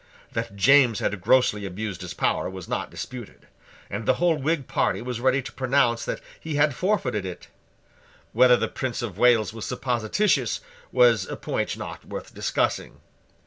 That James had grossly abused his power was not disputed; and the whole Whig party was ready to pronounce that he had forfeited it. Whether the Prince of Wales was supposititious, was a point not worth discussing.